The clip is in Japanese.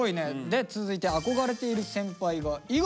で続いて憧れている先輩が猪狩蒼弥。